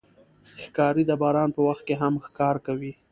ښکاري د باران په وخت کې هم ښکار کوي.